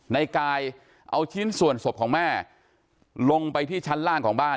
ในกายเอาชิ้นส่วนศพของแม่ลงไปที่ชั้นล่างของบ้าน